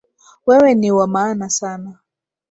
Wewe ni wa maana sana.